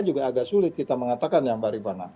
juga agak sulit kita mengatakan ya mbak rifana